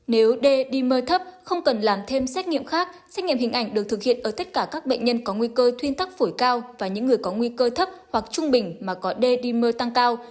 nếu d đi thấp không cần làm thêm xét nghiệm khác xét nghiệm hình ảnh được thực hiện ở tất cả các bệnh nhân có nguy cơ thuyên tắc phổi cao và những người có nguy cơ thấp hoặc trung bình mà có d đi mưa tăng cao